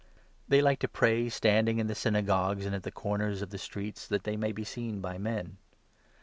They like to pray standing in the Synagogues and at the corners of the streets, that they may be seen by men.